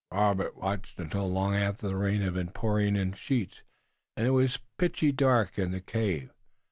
Robert watched until long after the rain had been pouring in sheets, and it was pitchy dark in the cave.